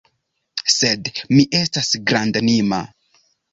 Sed mi estas grandanima.